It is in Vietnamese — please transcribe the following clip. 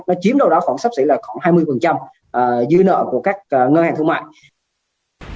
nó chiếm đầu đó khoảng sắp xỉ là khoảng hai mươi dưới nợ của các ngân hàng thương mạnh